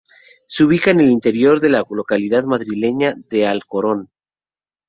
Se ubica en el interior de la localidad madrileña de Alcorcón.